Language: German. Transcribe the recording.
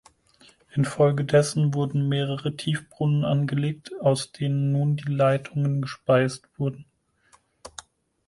Infolgedessen wurden mehrere Tiefbrunnen angelegt, aus denen nun die Leitungen gespeist wurden.